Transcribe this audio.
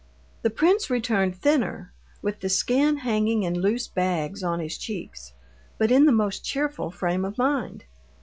The prince returned thinner, with the skin hanging in loose bags on his cheeks, but in the most cheerful frame of mind.